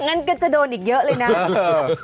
งั้นก็จะโดนอีกเยอะเลยนะ